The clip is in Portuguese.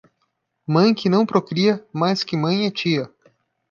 Mãe que não procria, mais que mãe é tia.